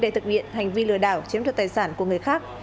để thực hiện hành vi lừa đảo chiếm đoạt tài sản của người khác